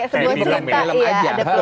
kayak sebuah sumpah ya